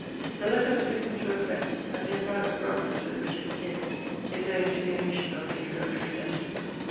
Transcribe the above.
The letter was written to a friend: and the apparent abruptness with which it begins, is owing to the omission of the introductory sentences.